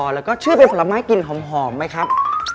แล้วก็ชื่อเป็นผลไม้กลิ่นหอมไหมครับ